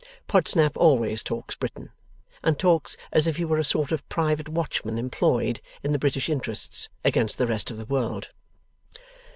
Podsnap always talks Britain, and talks as if he were a sort of Private Watchman employed, in the British interests, against the rest of the world.